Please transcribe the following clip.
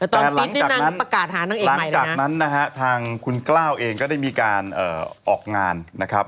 แต่หลังจากนั้นนะฮะทางคุณกล้าวเองก็ได้มีการออกงานนะครับ